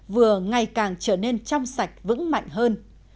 vừa ngày càng trở nên trong sạch vững mạnh hơn